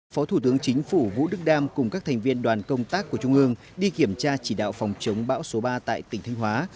phó thủ tướng chính phủ vũ đức đam cùng các thành viên đoàn công tác của trung ương đi kiểm tra chỉ đạo phòng chống bão số ba tại tỉnh thanh hóa